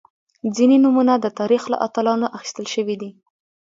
• ځینې نومونه د تاریخ له اتلانو اخیستل شوي دي.